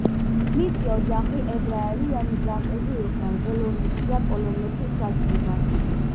მისი ოჯახი ებრაელი ემიგრანტები იყვნენ ბელორუსია-პოლონეთის საზღვრიდან.